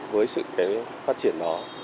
với sự phát triển đó